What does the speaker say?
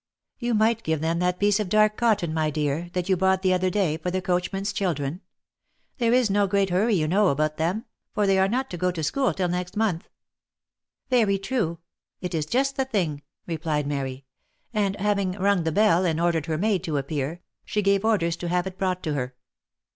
" You might give them that piece of dark cotton, my dear, that you bought the other day for the coachman's children. There is no great hurry you know about them, for they are not to go to school till next month." " Very true. — It is just the thing," replied Mary; and having rung the bell and ordered her maid to appear, she gave orders to have it brought to her.